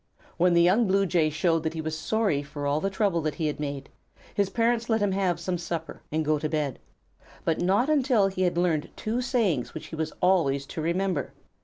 When the young Blue Jay showed that he was sorry for all the trouble that he had made, his parents let him have some supper and go to bed; but not until he had learned two sayings which he was always to remember.